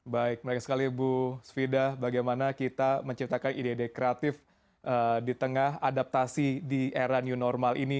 baik menarik sekali bu svidah bagaimana kita menciptakan ide ide kreatif di tengah adaptasi di era new normal ini